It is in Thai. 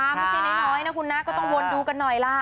ไม่ใช่น้อยนะคุณนะก็ต้องวนดูกันหน่อยล่ะ